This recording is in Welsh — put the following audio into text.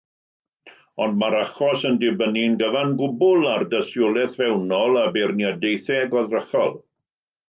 Ond mae'r achos yn dibynnu'n gyfan gwbl ar dystiolaeth fewnol a beirniadaethau goddrychol.